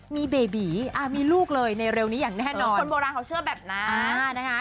มีเบบีมีลูกเลยในเร็วนี้อย่างแน่นอนคนโบราณเขาเชื่อแบบนั้นนะคะ